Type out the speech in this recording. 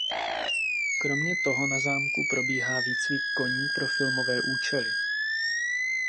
Kromě toho na zámku probíhá výcvik koní pro filmové účely.